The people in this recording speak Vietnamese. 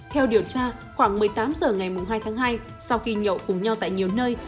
theo điều tra khoảng một mươi tám h ngày hai tháng hai sau khi nhậu cùng nhau tại nhiều nơi